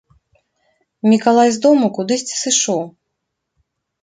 Мікалай з дому кудысьці сышоў.